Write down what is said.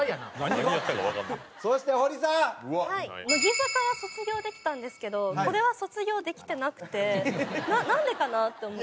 乃木坂は卒業できたんですけどこれは卒業できてなくてなんでかなと。